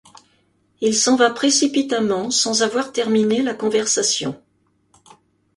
Il s'en va précipitamment sans avoir terminé la conversation.